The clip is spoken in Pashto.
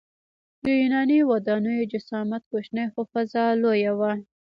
د یوناني ودانیو جسامت کوچنی خو فضا لویه وه.